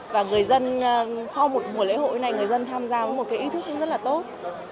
và người dân sau một mùa lễ hội này người dân tham gia có một cái ý thức rất là tốt